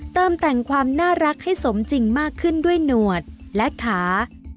เติมแต่งความน่ารักให้สมจริงมากขึ้นด้วยหนวดและขา